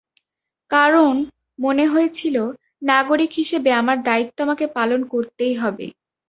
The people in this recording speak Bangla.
কারণ, মনে হয়েছিল, নাগরিক হিসেবে আমার দায়িত্ব আমাকে পালন করতেই হবে।